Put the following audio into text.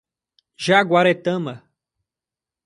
Jaguaretama